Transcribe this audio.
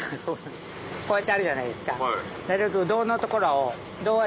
こうやってあるじゃないですか。